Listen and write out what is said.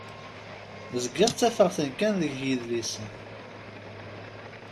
Zgiɣ ttafeɣ-ten kan deg yidlisen.